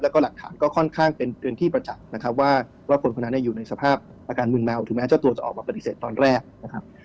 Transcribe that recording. แล้วก็หลักฐานก็ค่อนข้างเป็นที่ประจักษ์นะครับว่าคนคนนั้นอยู่ในสภาพอาการมึนเมาถึงแม้เจ้าตัวจะออกมาปฏิเสธตอนแรกนะครับ